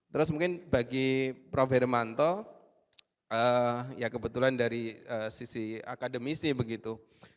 terus mungkin bagi prof hermanto ya kebetulan dari sisi akademisi begitu